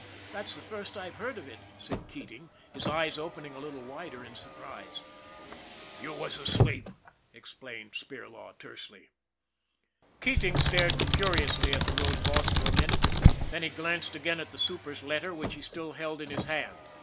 That's the first I've heard of it," said Keating, his eyes opening a little wider in surprise. " You was asleep," explained Spirlaw tersely. Keating stared curiously at the road boss for a min ute, then he glanced again at the super's letter which he still held in his hand.